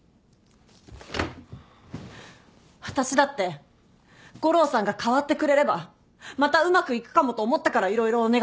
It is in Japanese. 私だって悟郎さんが変わってくれればまたうまくいくかもと思ったから色々お願いしたよ。